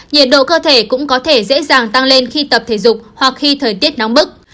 nhiệt độ cơ thể cũng có thể dễ dàng tăng lên khi tập thể dục hoặc khi thời tiết nóng bức